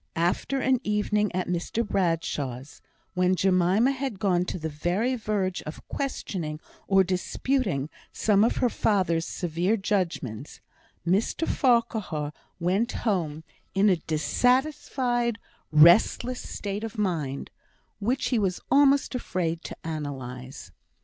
After an evening at Mr Bradshaw's, when Jemima had gone to the very verge of questioning or disputing some of her father's severe judgments, Mr Farquhar went home in a dissatisfied, restless state of mind, which he was almost afraid to analyse.